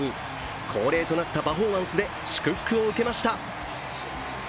恒例となったパフォーマンスで祝福を受けました。